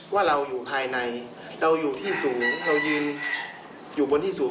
ว่าเราอยู่ภายในเราอยู่ที่สูงเรายืนอยู่บนที่สูง